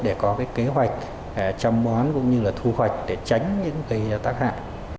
để có kế hoạch chăm bón cũng như là thu hoạch để tránh những cái tác hại